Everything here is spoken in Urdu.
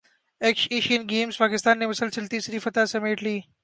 ایشین گیمز پاکستان نے مسلسل تیسری فتح سمیٹ لی